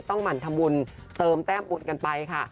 ต้องหมั่นธรรมุนเติมแต้มอุดกันไปค่ะ